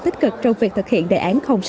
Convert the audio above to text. tích cực trong việc thực hiện đề án sáu